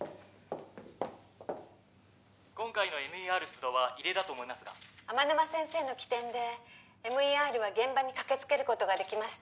今回のＭＥＲ出動は異例だと思いますが天沼先生の機転でＭＥＲは現場に駆けつけることができました